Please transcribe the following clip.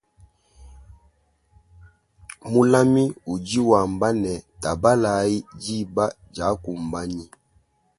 Mulami udi wamba ne tabalayi diba diakumbanyi.